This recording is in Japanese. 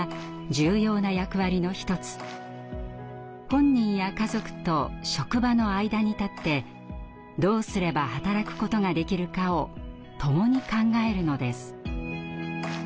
本人や家族と職場の間に立ってどうすれば働くことができるかをともに考えるのです。